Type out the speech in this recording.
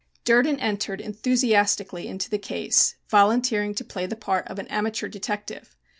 Durden entered enthusiastically into the case, volunteering to play the part of an amateur detective.